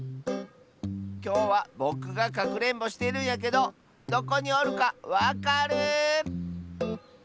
きょうはぼくがかくれんぼしてるんやけどどこにおるかわかる？